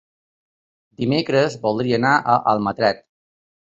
Dimecres voldria anar a Almatret.